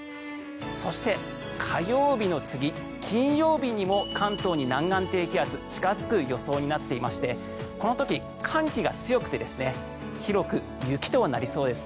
そして、火曜日の次金曜日にも関東に南岸低気圧近付く予想になっていましてこの時、寒気が強くて広く雪となりそうです。